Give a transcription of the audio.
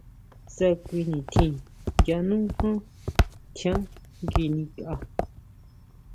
Tsá kui nitjín yanú jan tjián nguinikʼa.